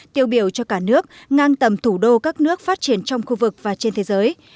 tiêu biểu cho cả nước ngang tầm thủ đô các nước phát triển trong khu vực và trên thế giới